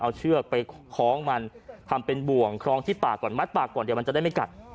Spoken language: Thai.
เอาเชือกไปคล้องมันทำเป็นบ่วงคล้องที่ปากก่อนมัดปากก่อนเดี๋ยวมันจะได้ไม่กัด